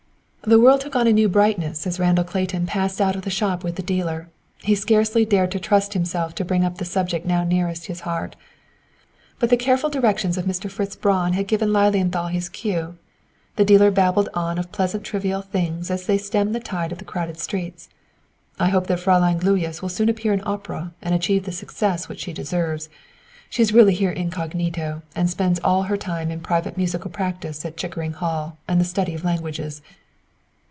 The world took on a new brightness as Randall Clayton passed out of the shop with the dealer. He scarcely dared to trust himself to bring up the subject now nearest his heart. But the careful directions of Mr. Fritz Braun had given Lilienthal his cue. The dealer babbled on of pleasant trivial things as they stemmed the tide of the crowded streets. "I hope that Fräulein Gluyas will soon appear in opera and achieve the success which she deserves. She is really here incognito, and spends all her time in private musical practice at Chickering Hall and the study of languages."